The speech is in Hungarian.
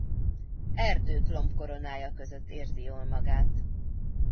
Erdők lombkoronája között érzi jól magát.